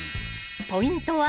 ポイントは